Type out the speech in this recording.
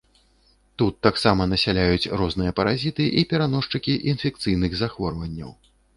Тут таксама насяляюць розныя паразіты і пераносчыкі інфекцыйных захворванняў.